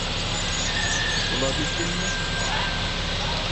Bulabildin mi?